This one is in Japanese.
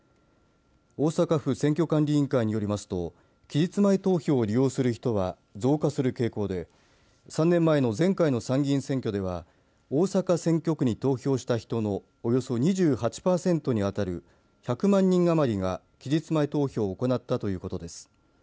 大阪府選挙管理委員会によりますと期日前投票を利用する人は増加する傾向で３年前の前回の参議院選挙では大阪選挙区に投票した人のおよそ２８％に当たる１００万人余りが期日前投票を行ったということです。